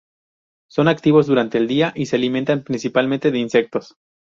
Son activos durante el día y se alimentan principalmente de insectos.